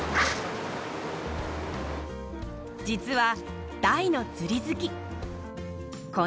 実は、大の釣り好き。